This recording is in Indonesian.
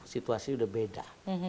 situasi sudah beda